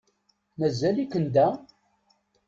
Mazal-iken da?